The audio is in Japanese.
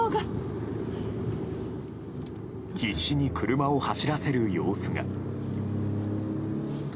必死に車を走らせる様子が。